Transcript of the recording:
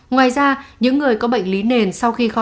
ngoài ra những người có bệnh lý nền sau khi khỏi